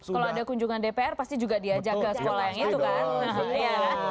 kalau ada kunjungan dpr pasti juga diajak ke sekolah yang itu kan